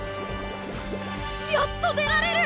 やっと出られる！